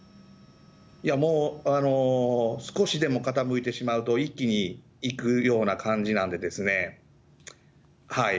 もう、少しでも傾いてしまうと、一気にいくような感じなんでですね。